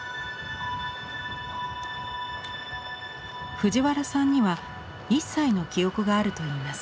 藤原さんには１歳の記憶があるといいます。